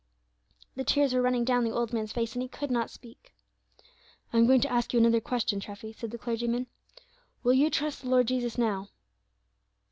The tears were running down the old man's face, and he could not speak. "I am going to ask you another question, Treffy," said the clergyman. "Will you trust the Lord Jesus now?"